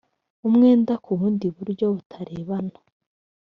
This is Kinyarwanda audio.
umwenda ku bundi buryo butarebana